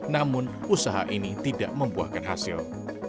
namun usaha ini tidak membuahkan hasil